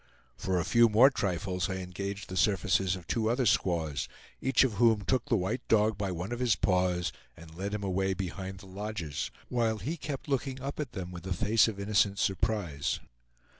For a few more trifles I engaged the services of two other squaws, each of whom took the white dog by one of his paws, and led him away behind the lodges, while he kept looking up at them with a face of innocent surprise.